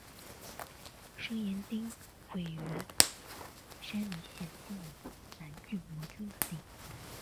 身延町为位于山梨县西南部南巨摩郡的町。